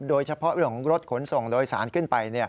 โดยเฉพาะเรื่องของรถขนส่งโดยสารขึ้นไป